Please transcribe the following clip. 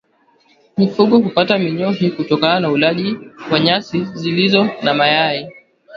Mifugo hupata minyoo hii kutokana na ulaji wa nyasi zilizo na mayai